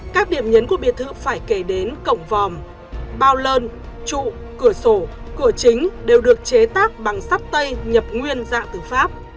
các điểm nhấn của biệt thự phải kể đến cổng vòm bao lơn trụ cửa sổ cửa chính đều được chế tác bằng sắt tây nhập nguyên dạng từ pháp